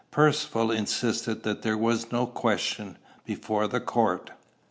Percivale insisted that there was no question before the court.